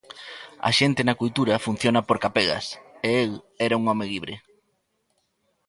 A xente na cultura funciona por capelas, e el era un home libre.